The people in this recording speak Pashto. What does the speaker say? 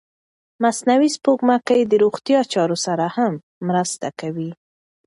مصنوعي سپوږمکۍ د روغتیا چارو سره هم مرسته کوي.